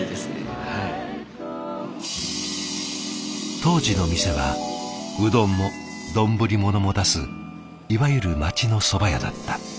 当時の店はうどんも丼物も出すいわゆる町のそば屋だった。